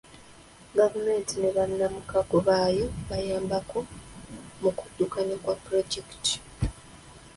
Gavumenti ne bannamkago baayo bayambako muu kuddukanya kwa pulojekiti.